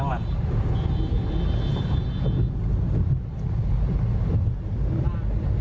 โอเค